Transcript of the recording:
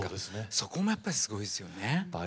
そこがやっぱりすごいですよね。